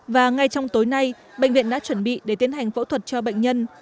và ngay trong tối nay bệnh viện đã chuẩn bị để tiến hành phẫu thuật cho bệnh nhân